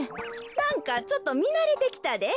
なんかちょっとみなれてきたで。